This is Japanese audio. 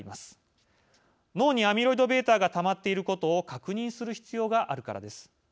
脳にアミロイドβがたまっていることを確認する必要があるからです。